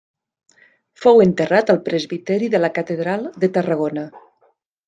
Fou enterrat al presbiteri de la Catedral de Tarragona.